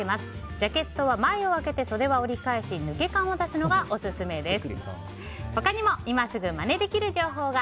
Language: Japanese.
ジャケットは前を開けて袖は折り返し抜け感を出すのがオススメです。